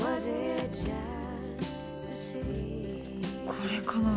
これかな？